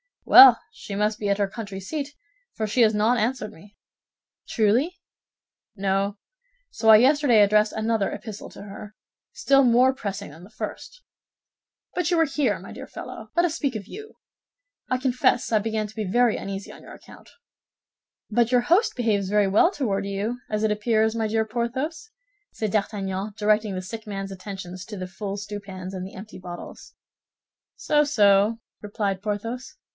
"Well, she must be at her country seat, for she has not answered me." "Truly?" "No; so I yesterday addressed another epistle to her, still more pressing than the first. But you are here, my dear fellow, let us speak of you. I confess I began to be very uneasy on your account." "But your host behaves very well toward you, as it appears, my dear Porthos," said D'Artagnan, directing the sick man's attention to the full stewpans and the empty bottles. "So, so," replied Porthos.